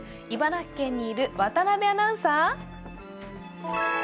茨城県にいる渡部アナウンサー。